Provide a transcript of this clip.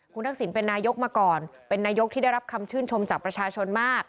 คุณทักษิณเป็นนายกมาก่อนเป็นนายกที่ได้รับคำชื่นชมจากประชาชนมาก